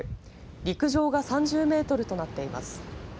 陸上が３０メートルとなっています。